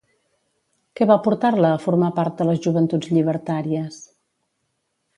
Què va portar-la a formar part de les Joventuts Llibertàries?